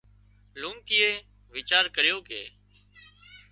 لونڪيئي ويچار ڪريو ڪي